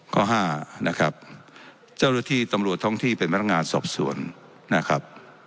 ข้อห้านะครับเจ้าหน้าที่ตำรวจท้องที่เป็นพนักงานสอบสวนนะครับ